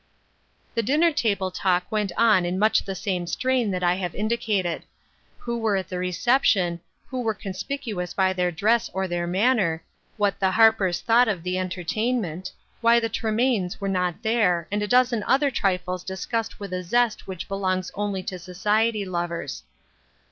The dinner table talk went on in much the same strain that I have indicated. Who were at the reception ; who were conspicuous by their dress, or their manner ; what the Harpers thought of the entertainment ; why the Tremaines were not there, and a dozen other trifles discussed with a zest which belongs only to society lov ers.